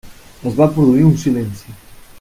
Es va produir un silenci.